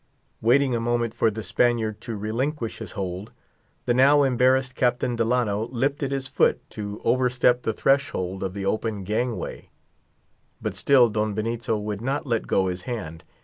Waiting a moment for the Spaniard to relinquish his hold, the now embarrassed Captain Delano lifted his foot, to overstep the threshold of the open gangway; but still Don Benito would not let go his hand.